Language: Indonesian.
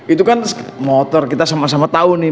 itu kan motor kita sama sama tahu nih